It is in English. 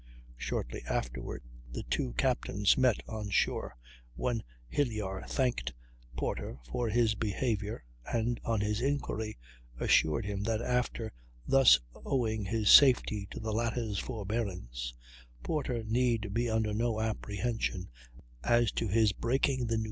Shortly afterward the two captains met on shore, when Hilyar thanked Porter for his behavior, and, on his inquiry, assured him that after thus owing his safety to the latter's forbearance, Porter need be under no apprehension as to his breaking the neutrality.